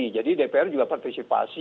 jadi dpr juga partisipasi